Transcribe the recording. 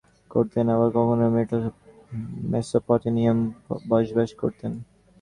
তিনি কখনো দামেস্কে বসবাস করতেন, আবার কখনো মেসোপটমিয়ায় বসবাস করতেন।